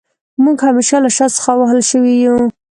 موږ همېشه له شا څخه وهل شوي يو